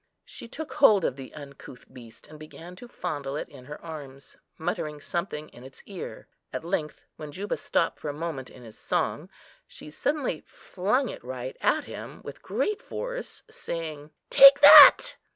She took hold of the uncouth beast and began to fondle it in her arms, muttering something in its ear. At length, when Juba stopped for a moment in his song, she suddenly flung it right at him, with great force, saying, "Take that!"